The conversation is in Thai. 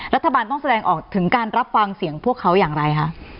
รัฐบาลต้องแสดงออกถึงการรับฟังเสียงพวกเขาอย่างไรคะ